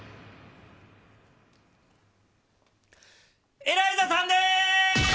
エライザさんです！